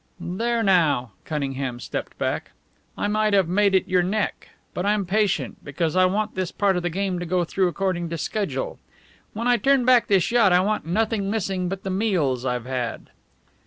"There, now!" Cunningham stepped back. "I might have made it your neck. But I'm patient, because I want this part of the game to go through according to schedule. When I turn back this yacht I want nothing missing but the meals I've had."